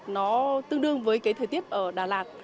nó tương đương với cái thời tiết ở đà lạt